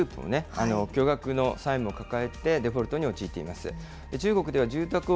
中国では不動産大手、恒大グループも巨額の債務を抱えてデフォルトに陥っています。